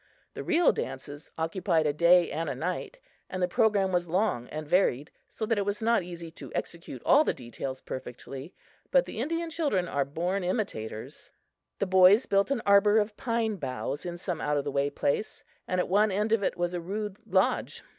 The real dances occupied a day and a night, and the program was long and varied, so that it was not easy to execute all the details perfectly; but the Indian children are born imitators. The boys built an arbor of pine boughs in some out of the way place and at one end of it was a rude lodge.